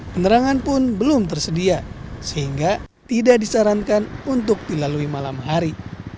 penerangan pun belum tersedia sehingga tidak disarankan untuk dilalui malam hari